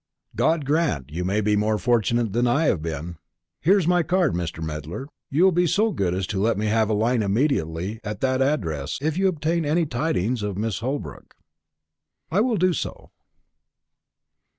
"God grant you may be more fortunate than I have been! There is my card, Mr. Medler. You will be so good as to let me have a line immediately, at that address, if you obtain any tidings of Mrs. Holbrook." "I will do so."